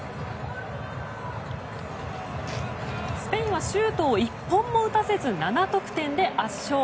スペインはシュートを１本も打たせず７得点で圧勝。